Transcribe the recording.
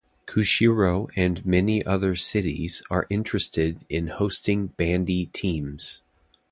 Kushiro and many other cities are interested in hosting bandy teams.